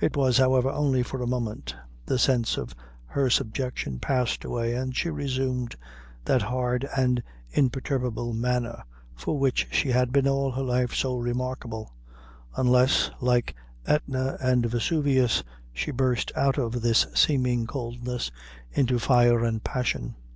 It was, however, only for a moment; the sense of her subjection passed away, and she resumed that hard and imperturbable manner, for which she had been all her life so remarkable, unless, like Etna and Vesuvius, she burst out of this seeming coldness into fire and passion.